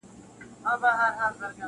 • د سړي د کور په خوا کي یو لوی غار وو..